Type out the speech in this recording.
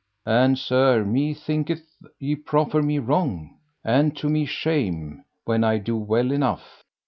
and sir, methinketh ye proffer me wrong, and to me shame, when I do well enough.